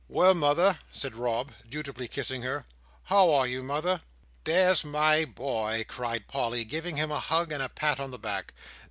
"Well, mother!" said Rob, dutifully kissing her; "how are you, mother?" "There's my boy!" cried Polly, giving him a hug and a pat on the back.